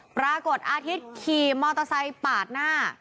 ปรากฏอาทิตย์ขี่มอเตอร์ไซค์ปาดหน้า